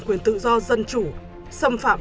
quyền tự do dân chủ xâm phạm